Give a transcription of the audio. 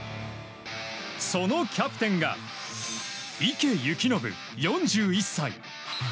そのキャプテンが池透暢、４１歳。